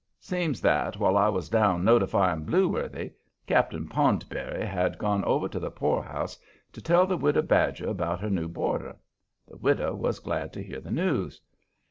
Seems that, while I was down notifying Blueworthy, Cap'n Poundberry had gone over to the poorhouse to tell the Widow Badger about her new boarder. The widow was glad to hear the news.